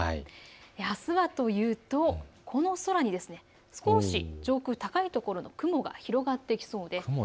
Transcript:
あすはというとこの空に少し上空、高いところの雲が広がってきそうです。